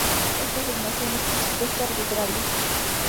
Esta asignación es, por supuesto, arbitraria.